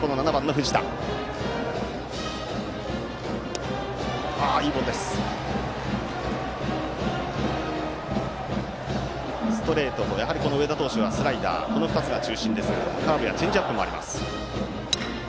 上田投手はストレートとスライダーのこの２つが中心ですがカーブやチェンジアップもあります。